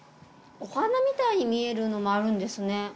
お花みたいに見えるのもあるんですね。